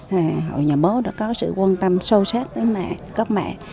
hội nhà bố đã có sự quan tâm sâu sét với mẹ các mẹ